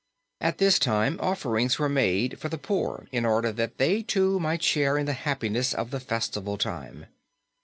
At this time offerings were made for the poor in order that they too might share in the happiness of the festival time.